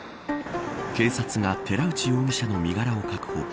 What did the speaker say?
警察が寺内容疑者の身柄を確保。